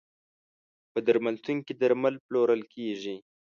په درملتون کې درمل پلورل کیږی.